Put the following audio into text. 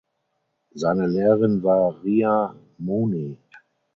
Seine Lehrerin war Ria Mooney.